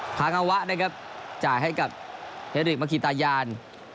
พางาวะจ่ายให้กับเฮิดริกมากรีดายาวน์